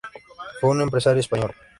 Fue un empresario español.